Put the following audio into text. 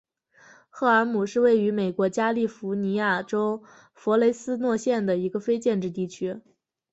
赫尔姆是位于美国加利福尼亚州弗雷斯诺县的一个非建制地区。